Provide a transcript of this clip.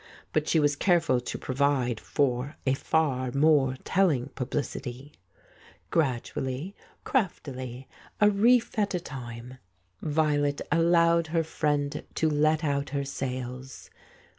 But she was careful to provide for a far more telling publicity. Gradually, craftily, a reef at a time, Violet allowed 136 The False Step her friend to let out her sails.